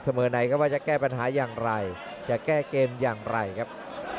ไหนก็ว่าจะแก้ปัญหาอย่างไรจะแก้เกมอย่างไรครับ